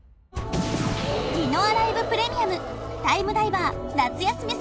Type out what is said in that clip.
ディノアライブ・プレミアムタイムダイバー夏休み